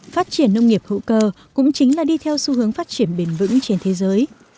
phát triển nông nghiệp hữu cơ cũng chính là đi theo xu hướng phát triển bền vững trên thế giới